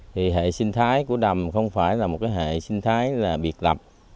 hệ sinh thái của đầm không phải là một hệ sinh thái biệt lập